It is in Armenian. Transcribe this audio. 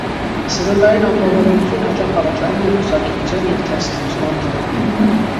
Սննդային անբավարարություն հաճախ առաջանում է բուսակերության և թերսնուցման դեպքում։